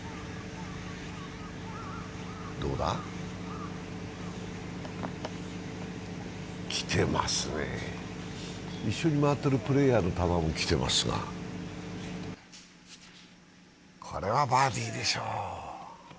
どうだ？来てますね、一緒に回ってるプレーヤーの玉も来ていますが、これはバーディーでしょう。